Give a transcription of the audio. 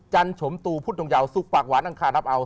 จันตุพุทธโย่วสุคปากวานอังคารับเอ่า